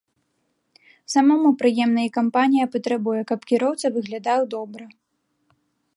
Самому прыемна і кампанія патрабуе, каб кіроўца выглядаў добра.